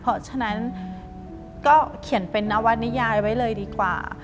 เพราะฉะนั้นก็เขียนเป็นนวันนิยายเท่านั้นก็เขียนเป็นนวันนิยายไว้เลยดีกว่า